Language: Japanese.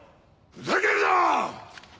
ふざけるな！